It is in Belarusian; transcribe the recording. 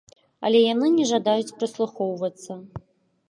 Але яны не жадаюць прыслухоўвацца.